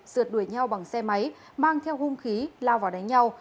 sượt đuổi nhau bằng xe máy mang theo hung khí lao vào đánh nhau